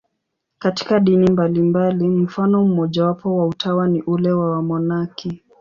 Katika dini mbalimbali, mfano mmojawapo wa utawa ni ule wa wamonaki.